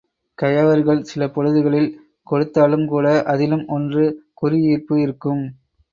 கயவர்கள் சிலபொழுதுகளில் கொடுத்தாலும் கூட அதிலும் ஒன்று குறி ஈர்ப்பு இருக்கும்.